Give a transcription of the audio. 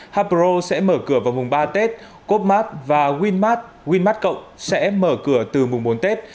harpro sẽ mở cửa vào mùng ba tết copmark và winmart winmart cộng sẽ mở cửa từ mùng bốn tết